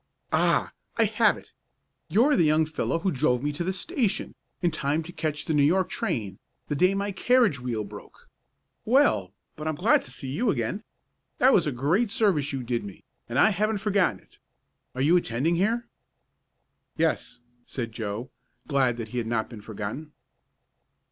"Ah! I have it! You're the young fellow who drove me to the station, in time to catch the New York train, the day my carriage wheel broke. Well, but I'm glad to see you again! That was a great service you did me, and I haven't forgotten it. Are you attending here?" "Yes," said Joe, glad that he had not been forgotten.